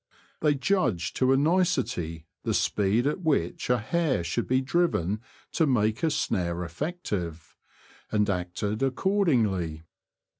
They judged to a nicety the speed at which a hare should be driven to make a snare effective, and acted accordingly.